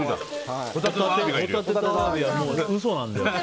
ホタテとアワビは嘘なんだよ。